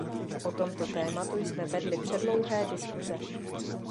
O tomto tématu jsme vedli předlouhé diskuze.